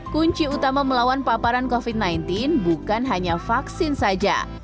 kunci utama melawan paparan covid sembilan belas bukan hanya vaksin saja